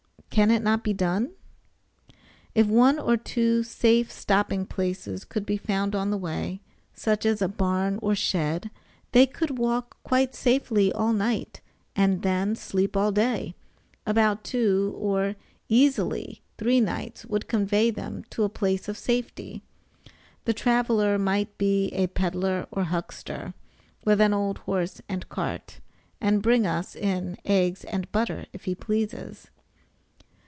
Can it not be done? If one or two safe stopping places could be found on the way such as a barn or shed, they could walk quite safely all night and then sleep all day about two, or easily three nights would convey them to a place of safety. The traveler might be a peddler or huckster, with an old horse and cart, and bring us in eggs and butter if he pleases.